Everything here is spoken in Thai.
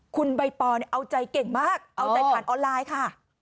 คุณใบปอลเอาใจเก่งมากเอาใจผ่านออนไลน์ค่ะ